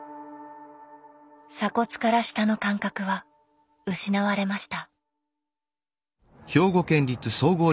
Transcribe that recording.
鎖骨から下の感覚は失われました。